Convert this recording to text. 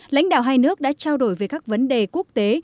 lãnh đạo hai nước đã trao đổi về các vấn đề quốc tế